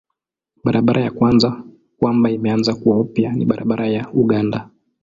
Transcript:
Barabara ya kwanza kwamba imeanza kuwa upya ni barabara ya Uganda.